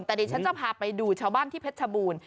แต่ดิฉันจะพาไปดูชาวบ้านที่เพชรชบูรณ์